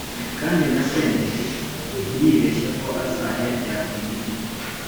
Kandi na Senderi ntiyibeshye ko azayarya wenyine